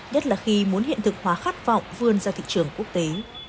nhất là khi muốn hiện thực hóa khát vọng vươn ra thị trường quốc tế